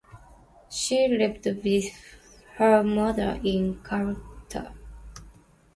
She lived with her mother in Calcutta.